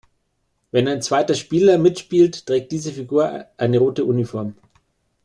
Wenn ein zweiter Spieler mitspielt trägt diese Figur eine rote Uniform.